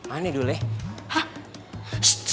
aneh dulu ya hah